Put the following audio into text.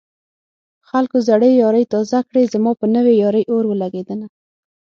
خلکو زړې يارۍ تازه کړې زما په نوې يارۍ اور ولګېدنه